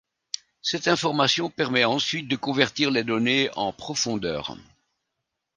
Cette information permet ensuite de convertir les données en profondeur.